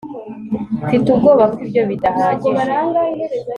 mfite ubwoba ko ibyo bidahagije